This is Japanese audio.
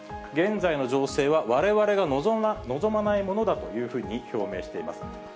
現在の情勢は、われわれが望まないものだというふうに表明しています。